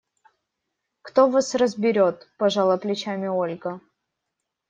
– Кто вас разберет! – пожала плечами Ольга.